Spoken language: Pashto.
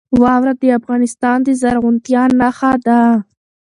واوره د افغانستان د زرغونتیا نښه ده.